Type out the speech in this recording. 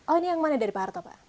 oh ini yang mana dari pak harto pak